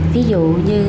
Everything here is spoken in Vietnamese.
ví dụ như